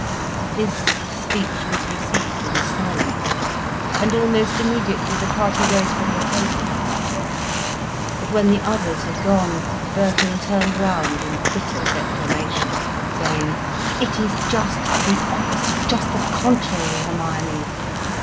This speech was received in silence, and almost immediately the party rose from the table. But when the others had gone, Birkin turned round in bitter declamation, saying: "It is just the opposite, just the contrary, Hermione.